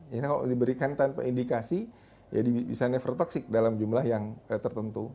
jadi kalau diberikan tanpa indikasi bisa never toxic dalam jumlah yang tertentu